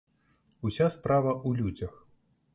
Уся справа ў людзях!